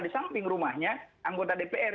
di samping rumahnya anggota dpr